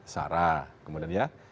sara kemudian ya